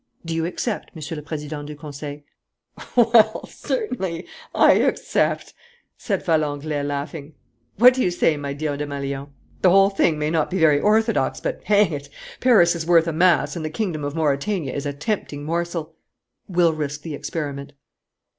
Do you accept, Monsieur le Président du Conseil?" "Well, certainly, I accept," said Valenglay, laughing. "What do you say, my dear Desmalions? The whole thing may not be very orthodox, but, hang it! Paris is worth a mass and the Kingdom of Mauretania is a tempting morsel. We'll risk the experiment."